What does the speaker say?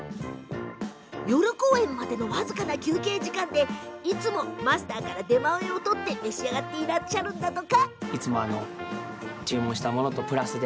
夜公演までの僅かな休憩時間でいつもマスターから出前を取って召し上がっているんですって。